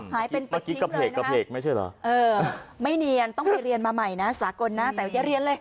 หายเป็นประติ๊งเลยนะคะไม่เนียนต้องไปเรียนมาใหม่นะสากลนะแต่อย่าเรียนเลย